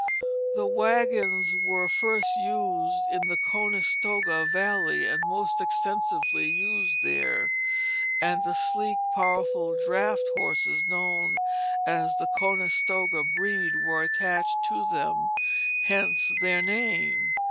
The wagons were first used in the Conestoga valley, and most extensively used there; and the sleek powerful draught horses known as the Conestoga breed were attached to them, hence their name.